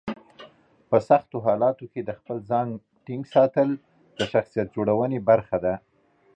په سختو حالاتو کې د خپل ځان ټینګ ساتل د شخصیت جوړونې برخه ده.